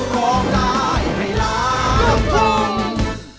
ร้องได้ให้รัก